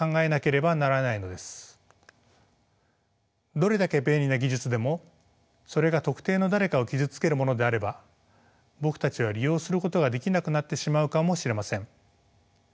どれだけ便利な技術でもそれが特定の誰かを傷つけるものであれば僕たちは利用することができなくなってしまうかもしれません。